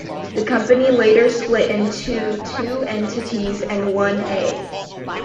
The company later split into two entities and one-A.